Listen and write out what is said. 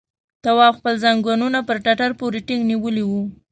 تواب خپل ځنګنونه پر ټټر پورې ټينګ نيولي وو.